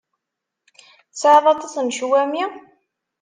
Tesɛiḍ aṭas n ccwami?